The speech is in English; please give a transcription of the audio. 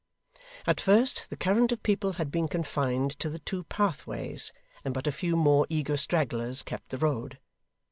At first, the current of people had been confined to the two pathways, and but a few more eager stragglers kept the road.